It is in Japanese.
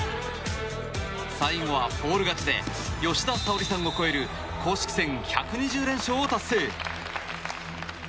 最後はフォール勝ちで吉田沙保里さんを超える公式戦１２０連勝を達成。